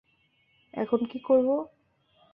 এখন কি করবো?